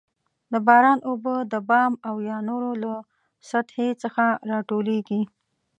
د باران اوبه د بام او یا نورو له سطحې څخه راټولیږي.